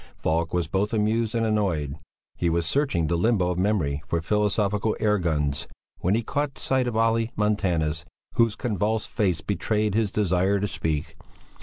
Falk was both amused and annoyed. He was searching the limbo of memory for philosophical air guns, when he caught sight of Olle Montanus, whose convulsed face betrayed his desire to speak.